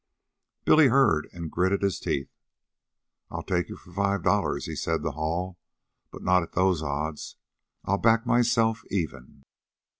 Billy heard and gritted his teeth. "I'll take you for five dollars," he said to Hall, "but not at those odds. I'll back myself even."